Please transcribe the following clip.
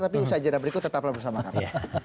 tapi usaha jadwal berikut tetaplah bersama kami